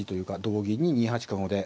同銀に２八角で。